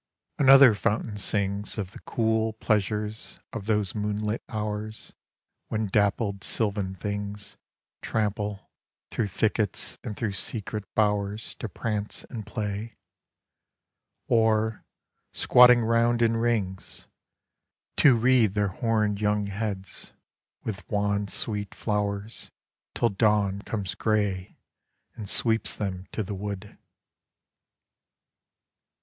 Another fountain sings Of the cool pleasures of those moonlit hours When dappled sylvan things Fountains. Trample through thickets and through secret bowers To prance and play, Or. squatting round in rings, To wreathe their horned young heads with wan sweet flowers Till dawn comes grey and sweeps them to the wood.